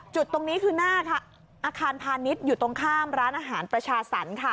จุดตรงนี้คือหน้าอาคารพาณิชย์อยู่ตรงข้ามร้านอาหารประชาสรรค์ค่ะ